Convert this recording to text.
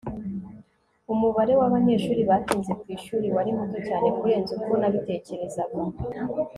Umubare wabanyeshuri batinze kwishuri wari muto cyane kurenza uko nabitekerezaga